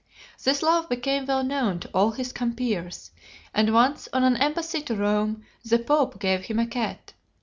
This love became well known to all his compeers, and once on an embassy to Rome the Pope gave him a cat.